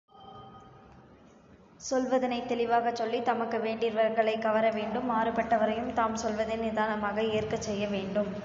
சொல்வதனைத் தெளிவாகச் சொல்லித் தமக்கு வேண்டிவர்களைக் கவர வேண்டும் மாறுபட்டவரையும் தாம் சொல்வதை நிதானமாக ஏற்கச் செய்ய வேண்டும்.